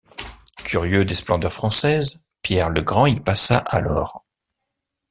Curieux des splendeurs françaises, Pierre le Grand y passa alors.